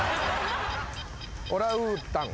オランウータン。